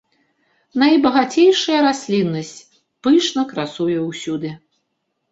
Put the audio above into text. Найбагацейшая расліннасць пышна красуе ўсюды.